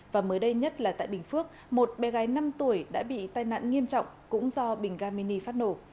và mới đây nhất là tại bình phước một bé gái năm tuổi đã bị tai nạn nghiêm trọng cũng do bình ga mini phát nổ